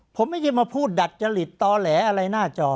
ผมไม่ใช่มาพูดดัดจริตต่อแหลอะไรหน้าจอ